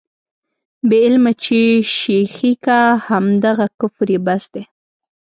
بې علمه چې شېخي کا، همدغه کفر یې بس دی.